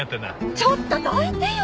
ちょっとどいてよ！